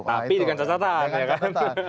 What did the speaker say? tapi dengan catatan